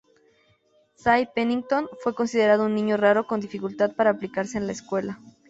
Ty Pennington fue considerado un niño raro con dificultad para aplicarse en la escuela.